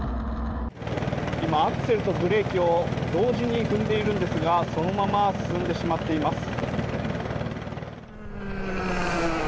今、アクセルとブレーキを同時に踏んでいるんですがそのまま進んでしまっています。